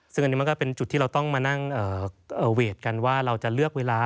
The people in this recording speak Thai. ซึ่งอันนี้มันก็เป็นจุดที่เราต้องมานั่งเวทกันว่าเราจะเลือกเวลา